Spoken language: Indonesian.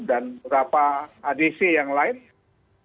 dan beberapa adisi yang lainnya